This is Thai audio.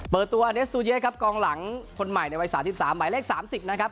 เปิดตัวอเดสตุเย็ดครับกองหลังคนใหม่ในวัยสาห์ที่๓ใหม่เลข๓๐นะครับ